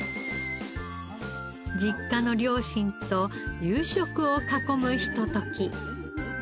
実家の両親と夕食を囲むひととき。